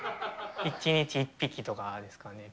１日１匹とかですかね。